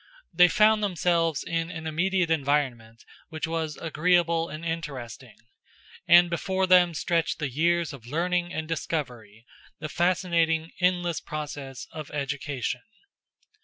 They found themselves in an immediate environment which was agreeable and interesting, and before them stretched the years of learning and discovery, the fascinating, endless process of education.